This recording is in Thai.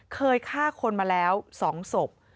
เคยฆ่าคนมาแล้ว๒ศพ